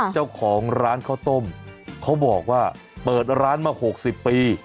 เจ้าของร้านข้าวต้มเขาบอกว่าเปิดร้านมา๖๐ปี